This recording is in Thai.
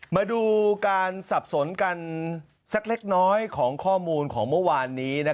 มาดูการสับสนกันสักเล็กน้อยของข้อมูลของเมื่อวานนี้